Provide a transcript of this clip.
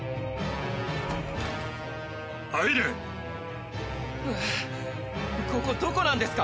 ああっここどこなんですか！？